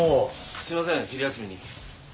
すいません昼休みに。